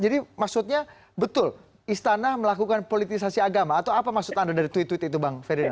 jadi maksudnya betul istana melakukan politisasi agama atau apa maksud anda dari tweet tweet itu bang ferdinand